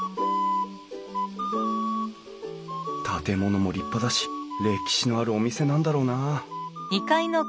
建物も立派だし歴史のあるお店なんだろうなあ。